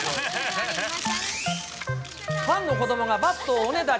ファンの子どもがバットをおねだり。